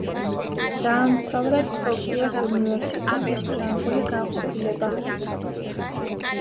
დაამთავრა ტოკიოს უნივერსიტეტის ფრანგული განყოფილება.